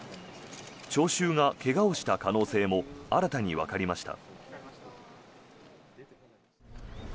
聴衆が怪我をした可能性も新たにわかりました。